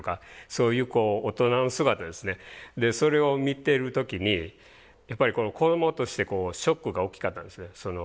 そういうこう大人の姿ですねそれを見てる時にやっぱり子どもとしてショックが大きかったんですね。